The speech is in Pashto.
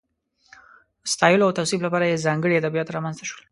د ستایلو او توصیف لپاره یې ځانګړي ادبیات رامنځته شول.